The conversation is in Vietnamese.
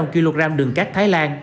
chín bốn trăm linh kg đường cát